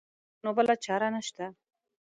ښه نو بله چاره نه شته.